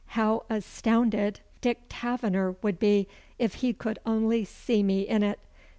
How astounded Dick Taverner would be, if he could only see me in it!